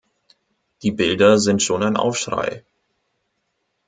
Die Bilder sind schon ein Aufschrei.